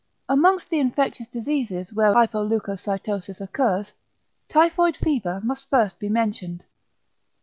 Amongst the infectious diseases where an hypoleucocytosis occurs, typhoid fever must first be mentioned.